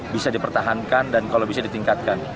bisa dipertahankan dan kalau bisa ditingkatkan